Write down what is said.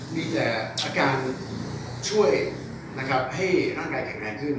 มีแต่การช่วยนะครับให้ร่างกายแข็งแรงขึ้น